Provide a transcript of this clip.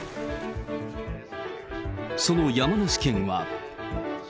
その山梨県は。